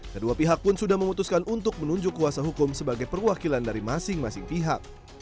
kedua pihak pun sudah memutuskan untuk menunjuk kuasa hukum sebagai perwakilan dari masing masing pihak